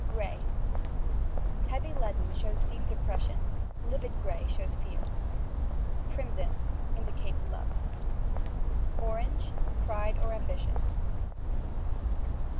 Grey: heavy leaden shows deep depression ; livid grey shows fear. Crimson : indicates love. Oeanoe : pride or ambition.